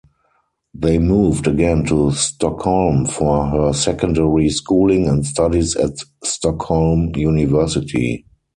They moved again to Stockholm for her secondary schooling and studies at Stockholm University.